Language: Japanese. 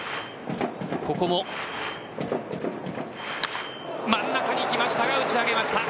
ここも真ん中に来ましたが打ち上げました。